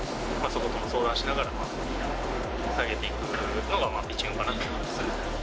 そことも相談しながら投げていくのがピッチングかなと思います。